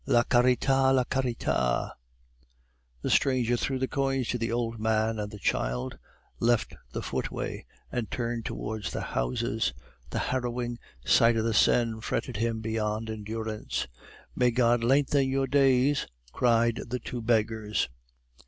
"La carita! la carita!" The stranger threw the coins to the old man and the child, left the footway, and turned towards the houses; the harrowing sight of the Seine fretted him beyond endurance. "May God lengthen your days!" cried the two beggars.